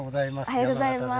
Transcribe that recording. おはようございます。